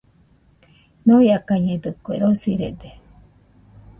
Ñoiakañedɨkue, rosirede.